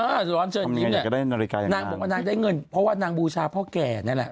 นางบอกว่านางได้เงินเพราะว่านางบูชาพ่อแก่เนี่ยแหละ